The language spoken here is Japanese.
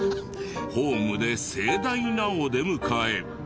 ホームで盛大なお出迎え。